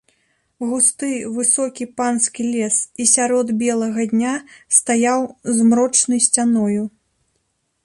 Густы, высокі панскі лес і сярод белага дня стаяў змрочнай сцяною.